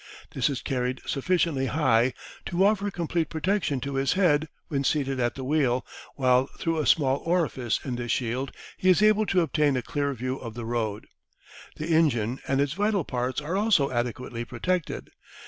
This is carried sufficiently high to offer complete protection to his head when seated at the wheel, while through a small orifice in this shield he is able to obtain a clear view of the road. The engine and its vital parts are also adequately protected.